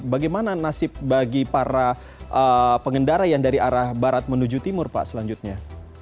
bagaimana nasib bagi para pengendara yang dari arah barat menuju timur pak selanjutnya